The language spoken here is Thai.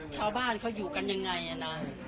ชาวบ้านเขาอยู่กันยังไงนะ